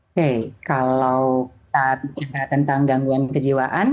oke kalau kita bicara tentang gangguan kejiwaan